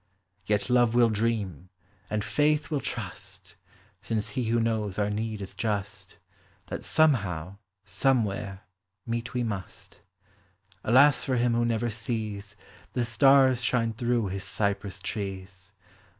Yet Love will dream, and Faith will trust, (Since lie who knows our need is just,) That somehow, somewhere, meet we must. Alas for him who never sees The stars shine through his cypress trees!